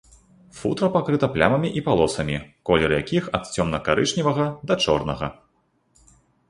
Футра пакрыта плямамі і палосамі, колер якіх ад цёмна-карычневага да чорнага.